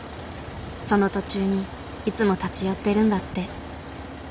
その途中にいつも立ち寄ってるんだって。